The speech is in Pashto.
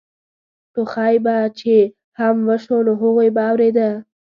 ټوخی به چې هم وشو نو هغوی به اورېده.